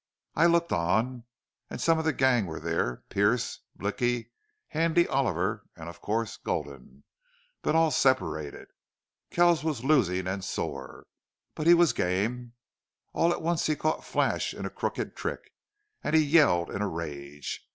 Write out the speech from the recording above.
I looked on. And some of the gang were there Pearce, Blicky, Handy Oliver, and of course Gulden, but all separated. Kells was losing and sore. But he was game. All at once he caught Flash in a crooked trick, and he yelled in a rage.